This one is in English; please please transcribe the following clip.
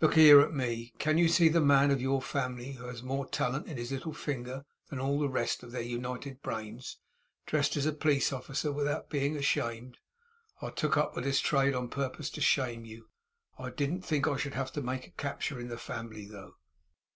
'Look here at me! Can you see the man of your family who has more talent in his little finger than all the rest in their united brains, dressed as a police officer without being ashamed? I took up with this trade on purpose to shame you. I didn't think I should have to make a capture in the family, though.